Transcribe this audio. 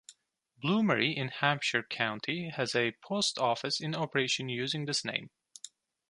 Bloomery in Hampshire County has a post office in operation using this name.